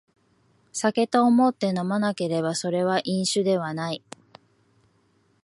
酒と思って飲まなければそれは飲酒ではない